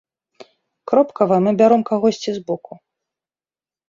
Кропкава мы бяром кагосьці збоку.